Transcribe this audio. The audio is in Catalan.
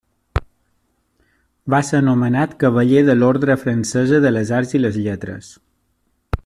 Va ser nomenat Cavaller de l'Ordre Francesa de les Arts i de les Lletres.